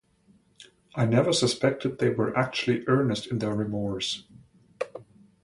I never suspected they were actually earnest in their remorse.